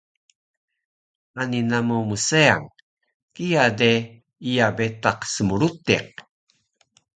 Ani namu mseang. Kiya de iya betaq smrutiq